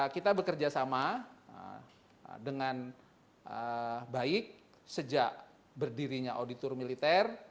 kita bekerjasama dengan baik sejak berdirinya auditor militer